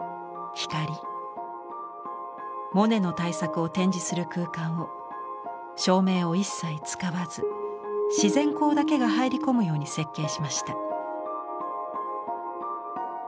モネの大作を展示する空間を照明を一切使わず自然光だけが入り込むように設計しました。